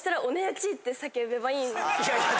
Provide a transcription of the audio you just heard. いやいや。